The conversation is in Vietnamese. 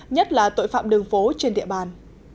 nhất là tội phạm đường phố trên địa bàn